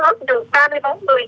hiện thì trên cano không tồn người